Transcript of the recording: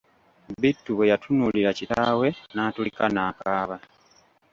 Bittu bwe yatunuulira kitaawe n'atulika n'akaaba!